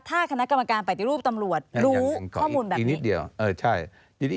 ถ้าคณะกรรมการไปติดรูปตำรวจรู้ข้อมูลแบบนี้